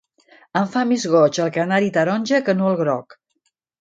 Em fa més goig el canari taronja que no el groc.